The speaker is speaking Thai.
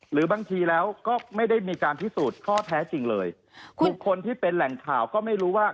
หรือบางทีแล้วก็ไม่ได้มีการพิสูจน์ข้อเท็จจริงเลยบุคคลที่เป็นแหล่งข่าวก็ไม่รู้ว่า